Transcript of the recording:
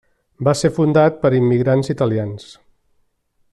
Va ser fundat per immigrants italians.